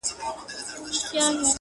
په ښارونو په دښتونو کي وړیا وه!